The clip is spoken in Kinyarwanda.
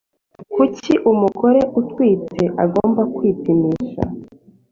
Ku bwawe kuki umugore utwite agomba kwipimisha